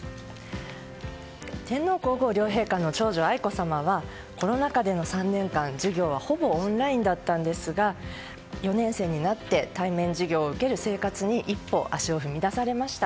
天皇・皇后両陛下の長女・愛子さまはコロナ禍での３年間、授業はほぼオンラインだったんですが４年生になって対面授業を受ける生活に一歩足を踏み出されました。